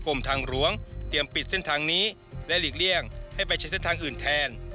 กรมทางหลวงเตรียมปิดเส้นทางนี้และหลีกเลี่ยงให้ไปใช้เส้นทางอื่นแทน